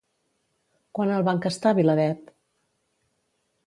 Quan el va enquestar, Vilaweb?